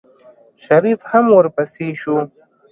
شريف هم ورپسې شو.